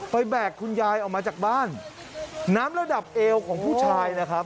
แบกคุณยายออกมาจากบ้านน้ำระดับเอวของผู้ชายนะครับ